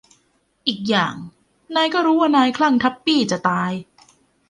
อีกอย่าง นายก็รู้ว่านายคลั่งทัปปี้จะตาย